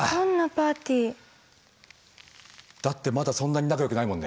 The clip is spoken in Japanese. だってまだそんなに仲良くないもんね。